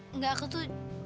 enggak aku tuh